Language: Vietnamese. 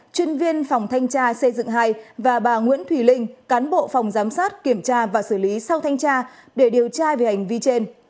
chuyên viên phòng thanh tra xây dựng hai và bà nguyễn thùy linh cán bộ phòng giám sát kiểm tra và xử lý sau thanh tra để điều tra về hành vi trên